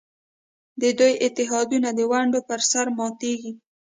د دوی اتحادونه د ونډې پر سر ماتېږي.